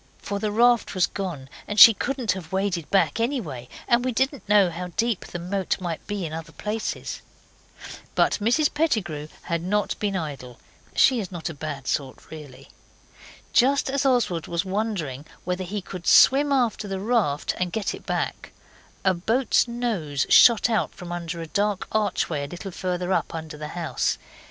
For the raft was gone, and she couldn't have waded back anyway, and we didn't know how deep the moat might be in other places. But Mrs Pettigrew had not been idle. She is not a bad sort really. Just as Oswald was wondering whether he could swim after the raft and get it back, a boat's nose shot out from under a dark archway a little further up under the house.